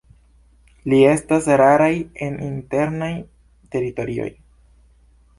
Ili estas raraj en internaj teritorioj.